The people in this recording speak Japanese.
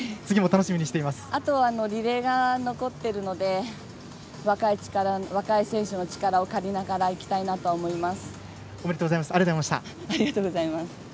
あとはリレーが残っているので若い選手の力を借りながらいきたいなとは思います。